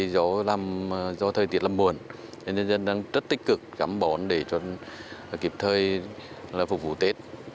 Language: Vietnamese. do thời tiết lâm buồn nên dân dân đang rất tích cực cảm bón để kịp thời phục vụ tết